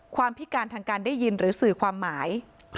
พิการทางการได้ยินหรือสื่อความหมาย